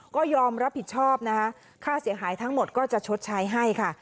ก็ยอมรับผิดชอบนะคะค่าเสียหายทั้งหมดก็จะชดใช้ให้ค่ะ